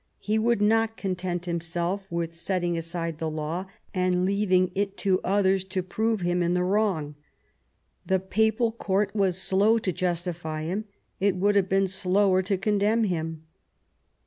He would not content himself with setting aside the law, and leaving it to others to prove him in the wrong. The Papal Court was slow to justify him; it would have been slower to condemn him.